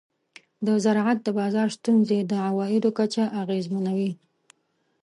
د زراعت د بازار ستونزې د عوایدو کچه اغېزمنوي.